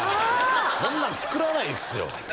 こんなん作らないですよ。